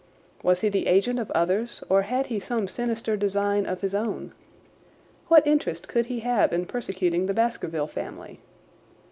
Was he the agent of others or had he some sinister design of his own? What interest could he have in persecuting the Baskerville family?